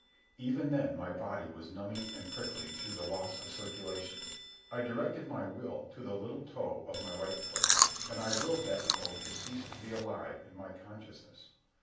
Even then my body was numbing and prickling through the loss of circulation. I directed my will to the little toe of my right foot, and I willed that toe to cease to be alive in my consciousness.